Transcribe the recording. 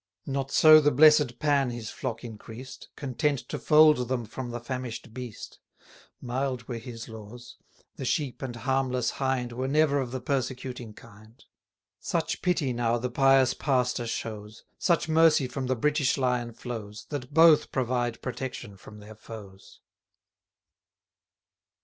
Not so the blessed Pan his flock increased, Content to fold them from the famish'd beast: Mild were his laws; the Sheep and harmless Hind 286 Were never of the persecuting kind. Such pity now the pious pastor shows, Such mercy from the British Lion flows, That both provide protection from their foes.